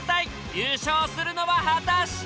優勝するのは果たして。